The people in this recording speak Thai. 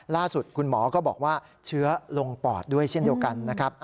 ล่าสุดคุณหมอก็บอกว่าเชื้อลงปอดด้วยเช่นเดียวกันนะครับ